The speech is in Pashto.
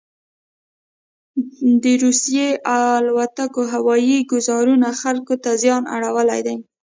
دروسیې الوتکوهوایي ګوزارونوخلکو ته زیان اړولی دی.